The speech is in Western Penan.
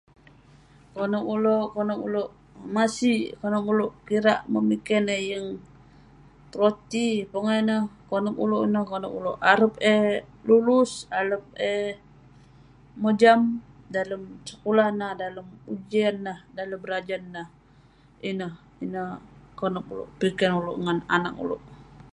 konep uleuk, konep uleuk masik, konep uleuk kira'k memiken eh yeng peroti. Pongah ineh konep uleuk ineh konep uleuk arep eh lulus, arep eh mojam dalem sekulah nah, dalem ujian nah, dalem berajan nah ineh, ineh konep uleuk ineh piken uleuk ngan anak uleuk.